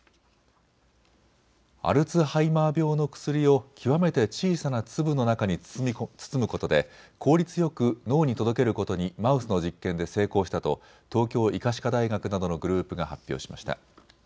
アルツハイマー病の薬を極めて小さな粒の中に包むことで効率よく脳に届けることにマウスの実験で成功したと東京医科歯科大学などのグループが発表しました。